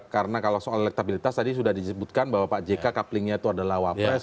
karena kalau soal elektabilitas tadi sudah disebutkan bahwa pak jk coupling nya itu adalah wapres